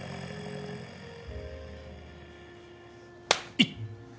いっ！